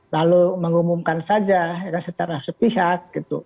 lalu mengumumkan saja secara sepihak